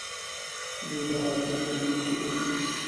دوۍ د عیاشۍ په نېشوکې ډوب دي.